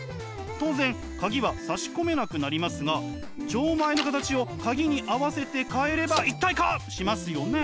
当然カギは差し込めなくなりますが錠前の形をカギに合わせて変えれば一体化しますよね。